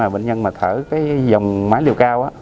bệnh nhân thở dòng máy liều cao